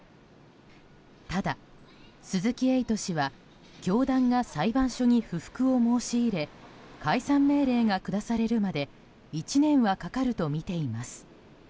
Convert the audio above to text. ただ、鈴木エイト氏は教団が裁判所に不服を申し入れ解散命令が下されるまで１年はかかるとみています。